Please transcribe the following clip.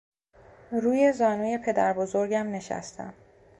روی زانوی پدربزرگم نشستم.